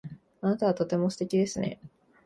あなたはとても素敵ですね。